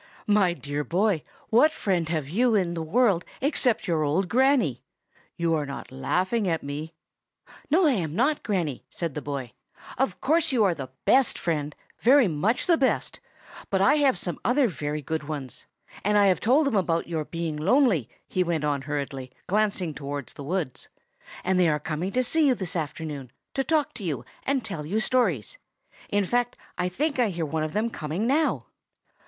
"My dear boy, what friend have you in the world except your old Granny? You are laughing at me." "No, I am not, Granny," said the boy. "Of course you are the best friend, very much the best; but I have some other very good ones. And I have told them about your being lonely," he went on hurriedly, glancing towards the wood, "and they are coming to see you this afternoon, to talk to you and tell you stories. In fact, I think I hear one of them coming now."